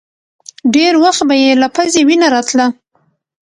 ډېر وخت به يې له پزې وينه راتله.